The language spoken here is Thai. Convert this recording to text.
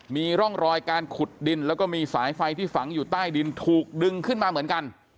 มีร่องรอยการขุดดินแล้วก็มีสายไฟที่ฝังอยู่ใต้ดินถูกดึงขึ้นมาเหมือนกัน